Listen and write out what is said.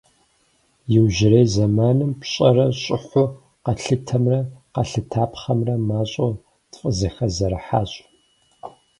Иужьрей зэманым пщӏэрэ щӏыхьу къэтлъытэмрэ къэлъытапхъэмрэ мащӏэу тфӏызэхэзэрыхьащ.